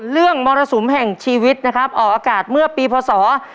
มรสุมแห่งชีวิตนะครับออกอากาศเมื่อปีพศ๒๕๖